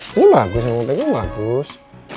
ini bagus yang ini bagus